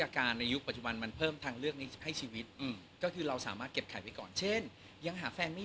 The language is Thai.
คือที่เป็นในวัยที่เมื่อพร้อมจริง